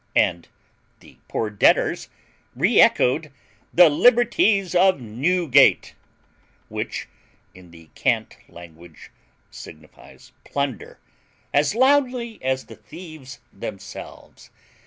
And the poor debtors re echoed THE LIBERTIES OF NEWGATE, which, in the cant language, signifies plunder, as loudly as the thieves themselves.